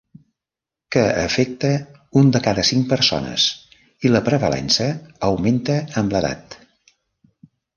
Que afecta un de cada cinc persones, i la prevalença augmenta amb l'edat.